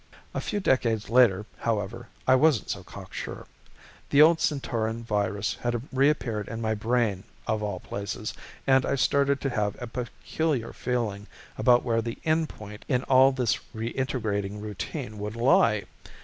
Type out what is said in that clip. A few decades later, however, I wasn't so cocksure. The old Centaurian virus had reappeared in my brain of all places and I started to have a peculiar feeling about where the end point in all this reintegrating routine would lie.